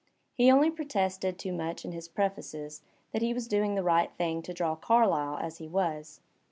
He only protested too much in his prefaces that he was doing the right thing to draw Carlyle as he was.